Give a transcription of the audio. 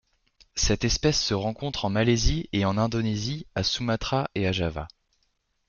Cette espèce se rencontre en Malaisie et en Indonésie à Sumatra et à Java.